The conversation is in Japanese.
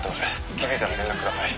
気付いたら連絡ください。